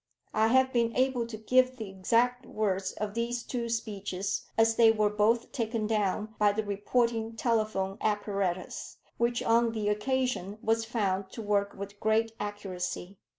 I have been able to give the exact words of these two speeches, as they were both taken down by the reporting telephone apparatus, which on the occasion was found to work with great accuracy.